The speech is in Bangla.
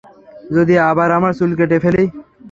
যদি আবার আমার চুল কেটে ফেলি?